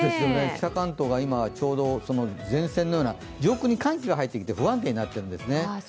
北関東が今ちょうど前線のような、上空に寒気が入って不安定になっているんですね。